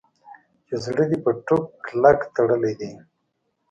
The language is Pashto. چې زړه دې په ټوک کلک تړلی دی.